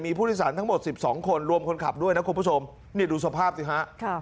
ผู้โดยสารทั้งหมด๑๒คนรวมคนขับด้วยนะคุณผู้ชมนี่ดูสภาพสิฮะ